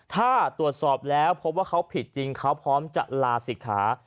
ถ้าตรวจสอบแล้วพบว่าเขาผิดจริงเขาพร้อมจะลาศิกขา